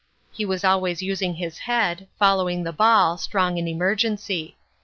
He was always using his head, following the ball, strong in emergency.